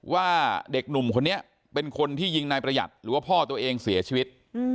ว่าเด็กหนุ่มคนนี้เป็นคนที่ยิงนายประหยัดหรือว่าพ่อตัวเองเสียชีวิต